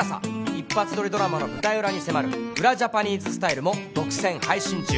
一発撮りドラマの舞台裏に迫る『ウラジャパニーズスタイル』も独占配信中。